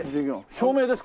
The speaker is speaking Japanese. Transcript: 照明ですか？